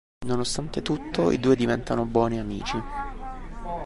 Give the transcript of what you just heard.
Nonostante tutto, i due diventano buoni amici.